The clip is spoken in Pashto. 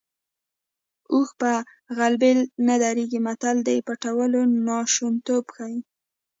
اوښ په غلبېل نه درنېږي متل د پټولو ناشونیتوب ښيي